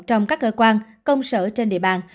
trong các cơ quan công sở trên địa bàn